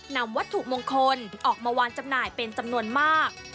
นำวัตถุมงคลออกมาวางจำหน่ายเป็นจำนวนมาก